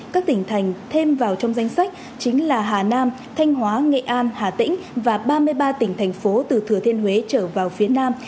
các tỉnh thành thêm vào trong danh sách chính là hà nam thanh hóa nghệ an hà tĩnh và ba mươi ba tỉnh thành phố từ thừa thiên huế trở vào phía nam